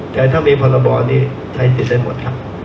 แต่ถ้ามีพรบนี้ใช้สิทธิ์ได้หมดครับ